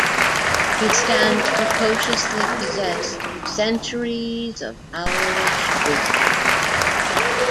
He stands precociously possessed of centuries of owlish wisdom.